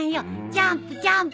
ジャンプジャンプ。